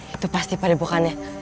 itu pasti pada ibukannya